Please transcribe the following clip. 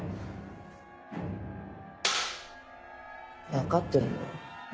分かってるの？